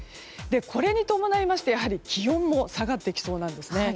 これに伴いまして、やはり気温も下がってきそうなんですね。